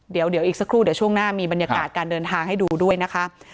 เดี๋ยวอีกสักครู่เดี๋ยวช่วงหน้ามีบรรยากาศการเดินทางให้ดูด้วยนะคะ